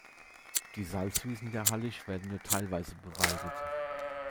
Die Salzwiesen der Hallig werden nur teilweise beweidet.